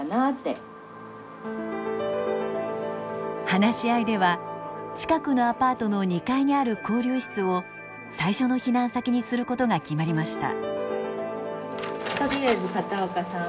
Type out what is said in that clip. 話し合いでは近くのアパートの２階にある交流室を最初の避難先にすることが決まりました。